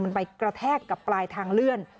มันไปกระแทกกับปลายทางเลื่อน